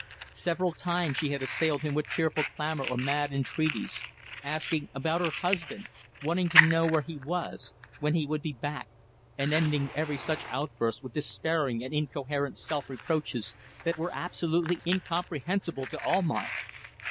Several times she had assailed him with tearful clamour or mad entreaties: asking about her husband, wanting to know where he was, when he would be back; and ending every such outburst with despairing and incoherent self reproaches that were absolutely incomprehensible to Almayer.